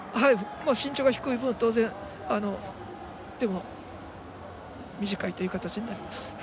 身長が低い分当然、手も短いという形になります。